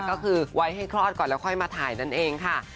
ก็คือไว้ให้คลอดก่อนแล้วค่อยมาถ่ายนั่นเองค่ะ